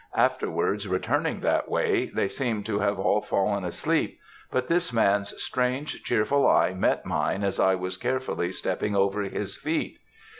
Afterwards returning that way, they seemed to have all fallen asleep; but this man's strange, cheerful eye met mine as I was carefully stepping over his feet.